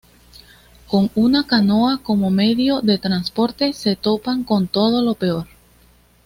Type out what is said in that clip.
Con una canoa como medio de transporte, se topan con todo lo peor.